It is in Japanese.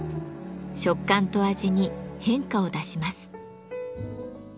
食感と味に変化を出します。